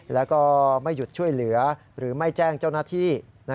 แล้วก็ไม่หยุดช่วยเหลือหรือไม่แจ้งเจ้าหน้าที่